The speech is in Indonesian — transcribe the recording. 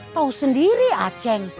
tahu sendiri achen